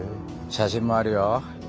写真もあるよ。